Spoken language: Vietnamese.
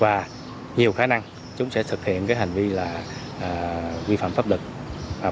và nhiều khả năng chúng sẽ thực hiện hành vi quy phạm pháp luật